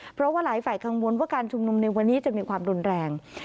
เพราะว่าหลายฝ่ายกังวลว่าการชุมนุมในวันนี้จะมีความรุนแรง